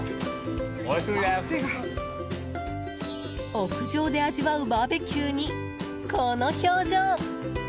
屋上で味わうバーベキューにこの表情。